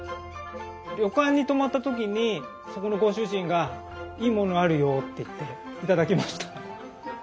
旅館に泊まった時にそこのご主人がいいものあるよって言って頂きました。